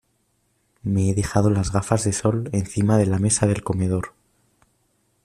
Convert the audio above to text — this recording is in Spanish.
Me he dejado las gafas de sol encima de la mesa del comedor.